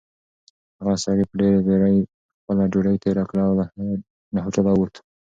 هغه سړي په ډېرې بېړۍ خپله ډوډۍ تېره کړه او له هوټله ووت.